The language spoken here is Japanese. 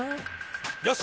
よし。